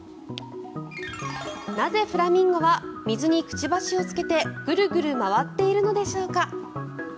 なぜ、フラミンゴは水にくちばしをつけてぐるぐる回っているのでしょうか。